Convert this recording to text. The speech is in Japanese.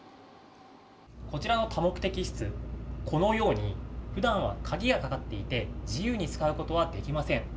こちらの多目的室、このように、ふだんは鍵がかかっていて、自由に使うことはできません。